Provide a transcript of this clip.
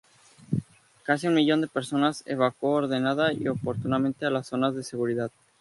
Casi un millón de personas evacuó ordenada y oportunamente a las zonas de seguridad.